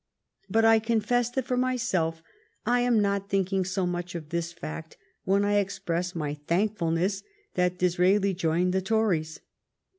But I confess that, for myself, I am not thinking so much of this fact when I ex press my thankfulness that Disraeli joined the Tories.